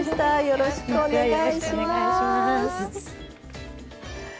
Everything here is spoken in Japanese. よろしくお願いします。